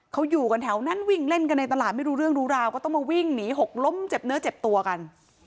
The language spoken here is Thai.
เขาอยู่กันแถวนั้นวิ่งเล่นกันในตลาดไม่รู้เรื่องรู้ราวก็ต้องมาวิ่งหนีหกล้มเจ็บเนื้อเจ็บตัวกัน